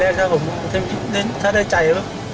รับแรกถ้าได้ใจ